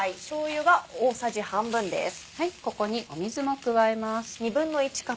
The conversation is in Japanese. ここに水も加えます。